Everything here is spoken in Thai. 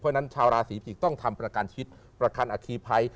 เพราะฉะนั้นชาวราศีภิกษ์ต้องทำปรการจิ๊ดประทันอครีไภ